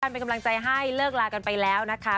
เป็นกำลังใจให้เลิกลากันไปแล้วนะคะ